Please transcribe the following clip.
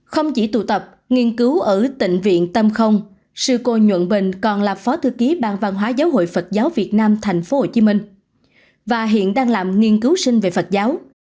không chỉ tụ tập nghiên cứu ở tịnh viện tâm không sư cô nhuẩn bình còn là phó thư ký ban văn hóa giáo hội phật giáo việt nam tp hcm và hiện đang làm nghiên cứu sinh về phật giáo